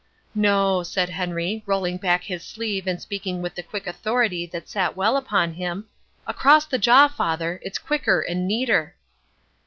"No," said Henry, rolling back his sleeve and speaking with the quick authority that sat well upon him, "across the jaw, father, it's quicker and neater."